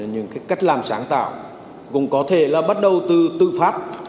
những cách làm sáng tạo cũng có thể là bắt đầu từ tư pháp